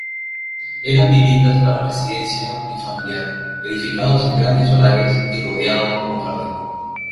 Eran viviendas para residencia unifamiliar edificados en grandes solares y rodeados por un jardín.